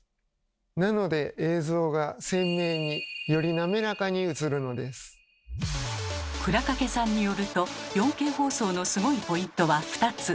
なので映像が倉掛さんによると４Ｋ放送のスゴいポイントは２つ。